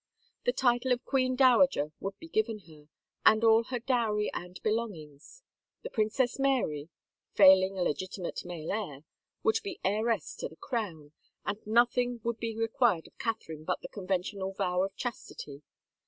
The title of Queen Dowager would be given her, and all her dowry and belongings; the Princess Mary — failing a legitimate male heir — would be heiress to the crown, and nothing would be required of Catherine but the conventional vow of chas tity.